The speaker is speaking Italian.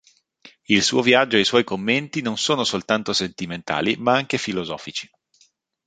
Il suo viaggio e i suoi commenti non sono soltanto sentimentali ma anche filosofici.